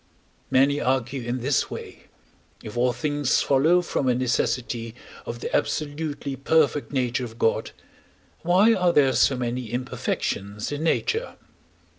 Many argue in this way. If all things follow from a necessity of the absolutely perfect nature of God, why are there so many imperfections in nature?